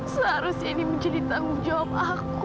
seharusnya ini menjadi tanggung jawab aku